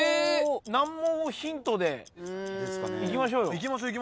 難問をヒントでいきましょうよ。